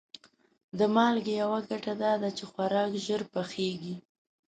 د مالګې یوه ګټه دا ده چې خوراک ژر پخیږي.